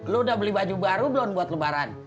lo udah beli baju baru belum buat lebaran